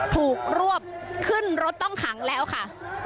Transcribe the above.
ถูกรวบขึ้นรถต้องขังแล้วค่ะ